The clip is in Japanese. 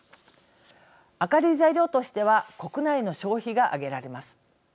明るい材料としては国内の消費があげられます。